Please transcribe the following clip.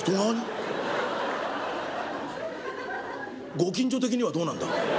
ご近所的にはどうなんだ？」。